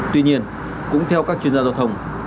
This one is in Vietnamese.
tuy nhiên cũng theo các chuyên gia giao thông